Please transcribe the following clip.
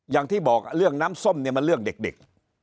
อย่างที่บอกเรื่องน้ำส้มเนี่ยมันเรื่องเด็ก